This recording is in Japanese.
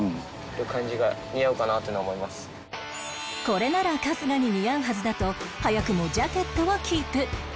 これなら春日に似合うはずだと早くもジャケットをキープ